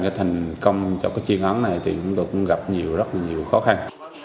cái thành công cho cái chiến án này thì chúng tôi cũng gặp nhiều rất là nhiều khó khăn